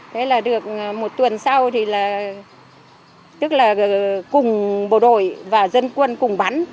thế là được một tuần sau thì là tức là cùng bộ đội và dân quân cùng bắn